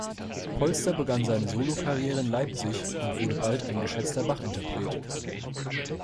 Polster begann seine Solokarriere in Leipzig und wurde bald ein geschätzter Bach-Interpret.